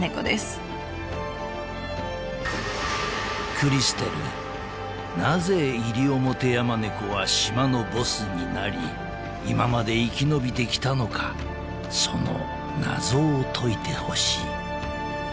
［クリステルなぜイリオモテヤマネコは島のボスになり今まで生き延びてきたのかその謎を解いてほしい］